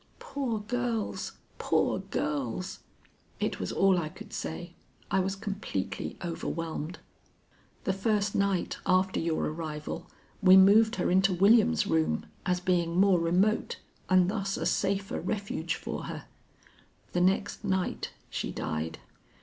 "Poor girls! Poor girls!" It was all I could say. I was completely overwhelmed. "The first night after your arrival we moved her into William's room as being more remote and thus a safer refuge for her. The next night she died.